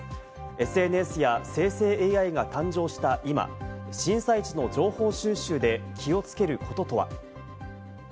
ＳＮＳや生成ＡＩが誕生した今、震災時の情報収集で気をつけることは？